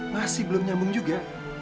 masih belum nyambung juga